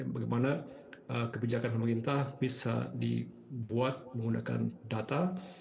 bagaimana kebijakan pemerintah bisa dibuat menggunakan data